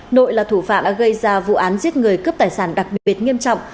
nội là thủ phạm gây ra vụ án giết người cướp tài sản đặc biệt nghiêm trọng